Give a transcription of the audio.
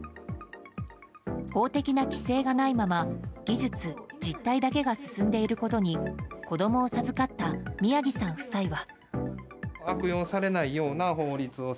法的な規制がないまま技術、実態だけが進んでいることに子供を授かった宮城さん夫妻は。